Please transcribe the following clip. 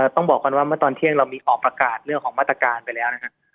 ต้องบอกก่อนว่าเมื่อตอนเที่ยงเรามีออกประกาศเรื่องของมาตรการไปแล้วนะครับ